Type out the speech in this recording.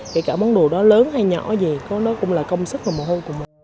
kể cả món đồ đó lớn hay nhỏ gì nó cũng là công sức và mồ hôi của mình